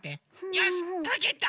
よしっかけた！